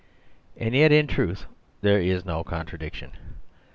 And yet in truth there is no contradiction.